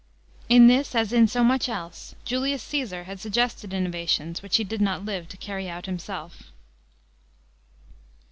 In this, as in so much else, Julius Caesar had suggested innovations, which he did not live to carry out himself.